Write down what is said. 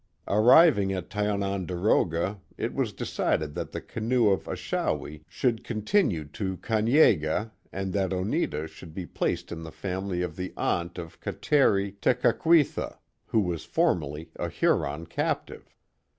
Arriving at Tiononderoga it was decided that the canoe of Achawi should continue to Kan yeageh and that Oiicta should be placed in the family of the aunt of Kateri Tekakwitha, who was formerly a Huron captive.